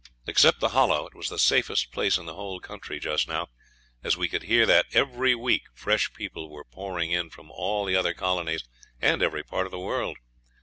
Except the Hollow it was the safest place in the whole country just now, as we could hear that every week fresh people were pouring in from all the other colonies, and every part of the world.